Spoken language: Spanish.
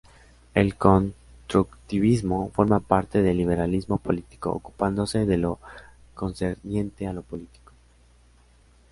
El constructivismo forma parte del liberalismo político, ocupándose de lo concerniente a lo político.